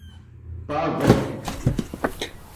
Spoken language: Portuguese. Pavão